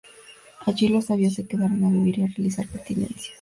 Allí los sabios se quedaron a vivir y a realizar penitencias.